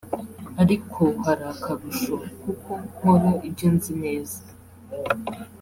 ariko hari akarusho k’uko nkora ibyo nzi neza